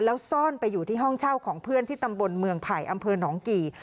แล้วซ่อนไปอยู่ที่ห้องเช่าของเพื่อนที่ตำบลเมืองไผ่อำเภอหนองกี่